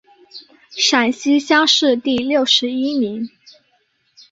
陕西乡试第六十一名。